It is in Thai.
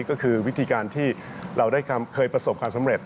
ก็คือวิธีการที่เราได้เคยประสบความสำเร็จ